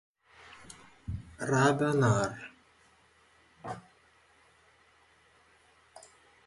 Rada nar.